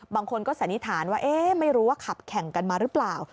บางคนก็สันนิษฐานว่าไม่รู้ว่าขับแข่งกันมาหรือเปล่า